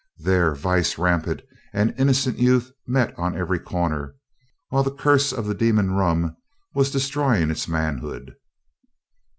There Vice rampant and innocent Youth met on every corner, while the curse of the Demon Rum was destroying its manhood.